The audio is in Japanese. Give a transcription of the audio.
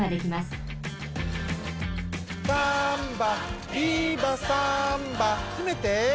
「サンバビバサンバ」つめて。